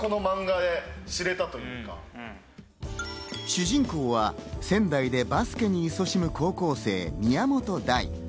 主人公は仙台でバスケにいそしむ高校生、宮本大。